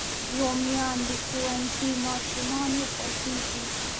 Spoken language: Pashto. رومیان د ښوونځي ماشومانو خوښېږي